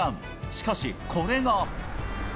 しかし、これが。